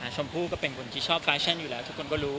ชมพู่ก็เป็นคนที่ชอบแฟชั่นอยู่แล้วทุกคนก็รู้